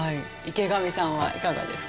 池上さんはいかがですか？